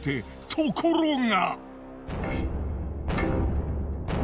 ところが。